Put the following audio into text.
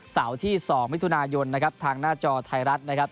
เสาร์ที่๒มิถุนายนนะครับทางหน้าจอไทยรัฐนะครับ